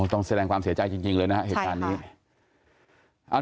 ต้องแสดงความเสียใจจริงเลยนะครับเหตุการณ์นี้